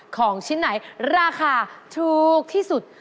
ของชิ้นไหนราคาถูกที่สุด